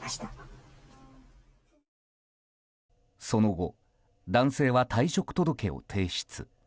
その後、男性は退職届を提出。